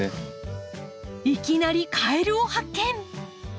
いきなりカエルを発見！